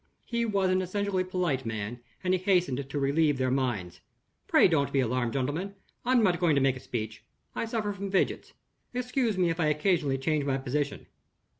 He was an essentially polite man; and he hastened to relieve their minds. "Pray don't be alarmed, gentlemen: I am not going to make a speech. I suffer from fidgets. Excuse me if I occasionally change my position."